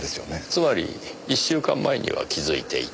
つまり１週間前には気づいていた。